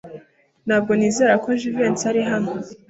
Ntabwo nizera ko Jivency ari hano.